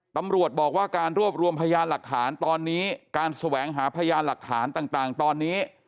ตำรวจบอกว่าการรวบรวมพยานหลักฐานตอนนี้การแสวงหาพยานหลักฐานต่างตอนนี้